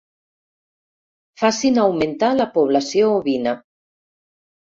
Facin augmentar la població ovina.